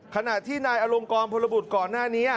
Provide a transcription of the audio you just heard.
ขณะที่นายอลงกรพลบุตรก่อนหน้านี้